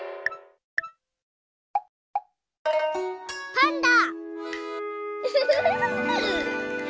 パンダ！